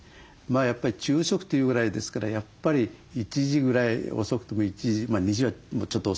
やっぱり昼食というぐらいですからやっぱり１時ぐらい遅くとも１時２時はちょっと遅めになるかな。